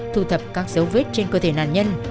thu thập các dấu vết trên cơ thể nạn nhân